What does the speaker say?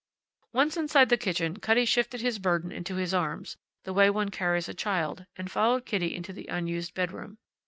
Once inside the kitchen Cutty shifted his burden into his arms, the way one carries a child, and followed Kitty into the unused bedroom.